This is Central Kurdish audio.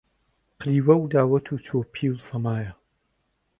قریوە و داوەت و چۆپی و سەمایە